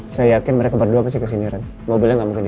saya yakin mereka berdua pasti kesini red